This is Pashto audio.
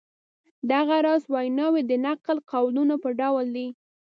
دغه راز ویناوی د نقل قولونو په ډول دي.